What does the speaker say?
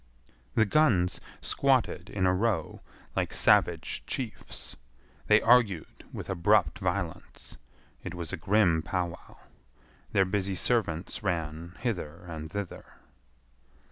The guns squatted in a row like savage chiefs. They argued with abrupt violence. It was a grim pow wow. Their busy servants ran hither and thither.